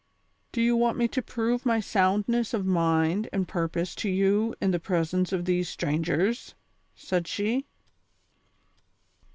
Do you want me to prove my soundness of mind and purpose to you in the presence of these strangers V " said she.